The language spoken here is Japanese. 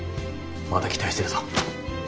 また期待してるぞ。